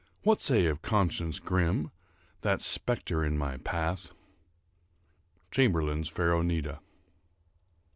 what say of CONSCIENCE grim, That spectre in my path? —_Chamberlayne's Pharronida.